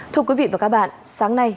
thưa quý vị và các bạn sáng nay